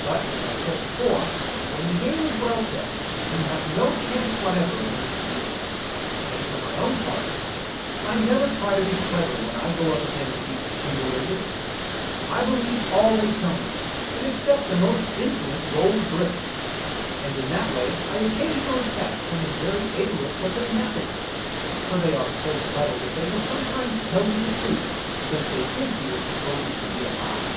But, as I said before, when the game is well set, you have no chance whatever against the dealer; and for 15 American Mystery Stories my own part, I never try to be clever when I go up against these thimble riggers ; I believe all they tell me, and accept the most insolent gold bricks ; and in that way I occasion ally catch some of the very ablest of them napping; for they are so subtle that they will sometimes tell you the truth because they think you will suppose it to be a lie.